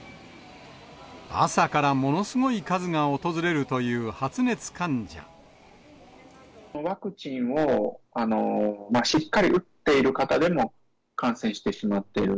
朝からものすごい数が訪れるワクチンをしっかり打っている方でも、感染してしまっている。